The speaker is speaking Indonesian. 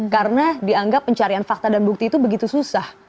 karena dianggap pencarian fakta dan bukti itu begitu susah